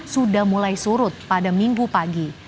sudah mulai surut pada minggu pagi